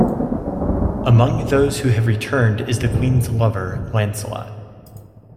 Among those who have returned is the Queen's lover Lancelot.